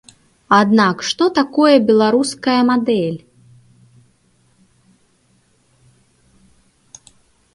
Аднак што такое беларуская мадэль?